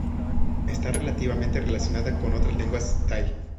Está relativamente relacionada con otras lenguas tai.